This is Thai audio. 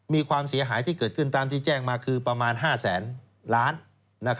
มีความเสียหายที่เกิดขึ้นตามที่แจ้งมาคือประมาณ๕แสนล้าน